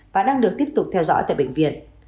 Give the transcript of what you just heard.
và đang được tiếp tục theo dõi tại bệnh viện